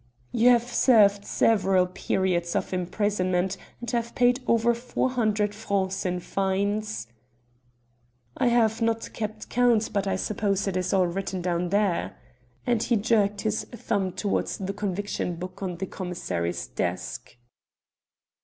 "You have served several periods of imprisonment, and have paid over 400 francs in fines?" "I have not kept count, but I suppose it is all written down there." And he jerked his thumb towards the conviction book on the commissary's desk.